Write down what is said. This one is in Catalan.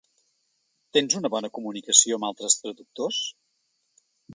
Tens una bona comunicació amb altres traductors?